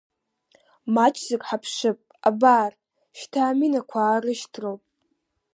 Маҷӡак ҳааԥшып, абар, шьҭа аминақәа аарышьҭроуп!